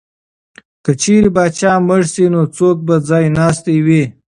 که چېرې پاچا مړ شي نو څوک به ځای ناستی وي؟